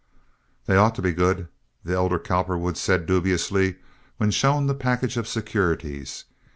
"They ought to be good," the elder Cowperwood said, dubiously, when shown the package of securities.